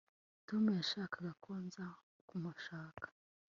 tom yashakaga ko nza kumushaka